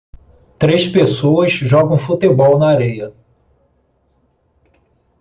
três pessoas jogam futebol na areia.